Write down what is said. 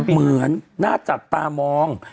เหมือนน่าจับตามอง